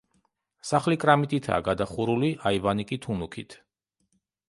სახლი კრამიტითაა გადახურული, აივანი კი თუნუქით.